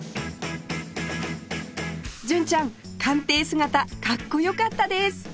純ちゃん鑑定姿かっこよかったです